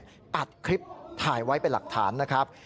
ก็อัดคลิปถ่ายไว้เป็นหลักฐานนะครับ